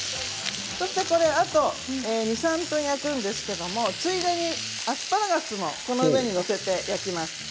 本当はあと２、３分焼くんですけれどついでにアスパラガスを上に載せていきます。